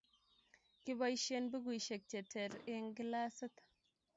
Kiboisien bukuisiek che ter eng' kilasit